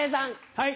はい。